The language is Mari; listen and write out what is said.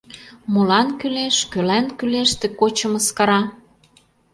Молан кӱлеш, кӧлан кӱлеш ты кочо мыскара?